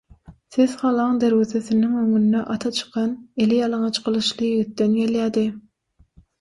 Ses galaň derwezesiniň öňünde ata çykan, eli ýalaňaç gylyçly ýigitden gelýärdi.